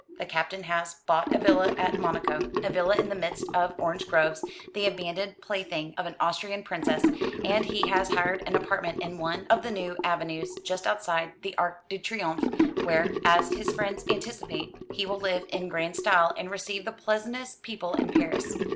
The Captain has bought a villa at Monaco a villa in the midst of orange groves, the abandoned plaything of an Austrian princess; and he has hired an apartment in one of the new avenues, just outside the Arc de Triomphe, where, as his friends anticipate, he will live in grand style, and receive the pleasantest people in Paris.